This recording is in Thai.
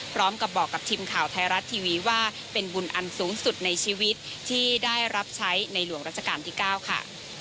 พร้อมกับบอกกับทีมข่าวไทยรัฐทีวีว่าเป็นบุญอันสูงสุดในชีวิตที่ได้รับใช้ในหลวงรัชกาลที่๙ค่ะ